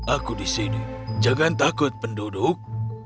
aku di sini jangan takut penduduk